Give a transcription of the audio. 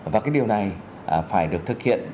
và cái điều này phải được thực hiện